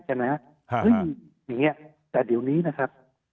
แต่เดี๋ยวนี้นะครับ